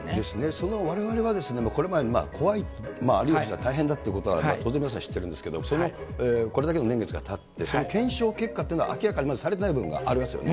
これはわれわれはこれまで怖い、あるいは大変だっていうことは当然、皆さん知ってるんですけど、これだけの年月がたって、その検証結果というのは、まだ明らかにまだされてない部分がありますよね。